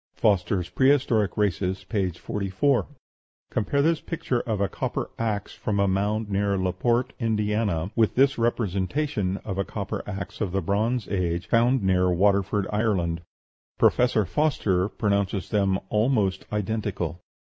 (Foster's "Prehistoric Races," p. 44.) Compare this picture of a copper axe from a mound near Laporte, Indiana, with this representation of a copper axe of the Bronze Age, found near Waterford, Ireland. Professor Foster pronounces them almost identical.